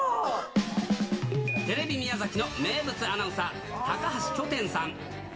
テレビ宮崎の名物アナウンサー、高橋巨典さん。